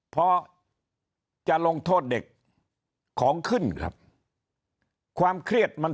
เพราะจะลงโทษเด็กของขึ้นครับความเครียดมัน